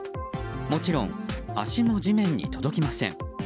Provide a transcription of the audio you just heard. もちろん、足も地面に届きません。